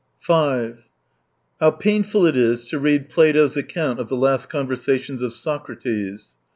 5 How painful it is to read Plato's account of the last conversations of Socrates